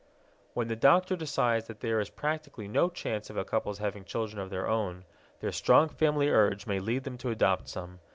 When the doctor decides that there is practically no chance of a couple's having children of their own, their strong family urge may lead them to adopt some.